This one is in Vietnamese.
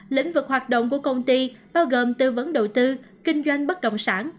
lĩnh vực hoạt động của công ty bao gồm tư vấn đầu tư kinh doanh bất động sản